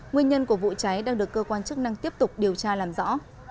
nguyên nhân của vụ cháy đang được cơ quan chức năng tiếp tục điều tra làm rõ